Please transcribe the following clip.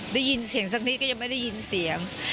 ได้ยินเสียงสักนิดก็ยังไม่ได้ยินเสียง